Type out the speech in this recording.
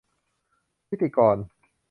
ฐิติกร